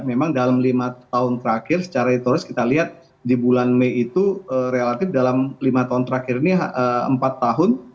memang dalam lima tahun terakhir secara hitoris kita lihat di bulan mei itu relatif dalam lima tahun terakhir ini empat tahun